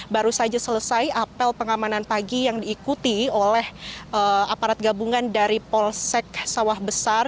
baru saja selesai apel pengamanan pagi yang diikuti oleh aparat gabungan dari polsek sawah besar